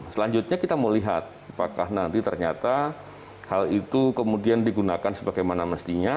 selanjutnya kita mau lihat apakah nanti ternyata hal itu kemudian digunakan sebagaimana mestinya